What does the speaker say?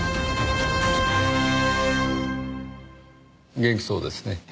元気そうですね。